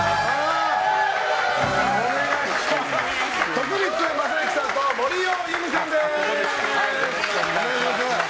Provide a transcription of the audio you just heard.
徳光正行さんと森尾由美さんです。